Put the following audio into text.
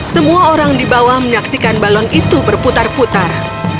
semua orang di bawah menyaksikan balon itu berputar putar